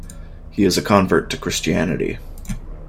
He is a convert to Christianity.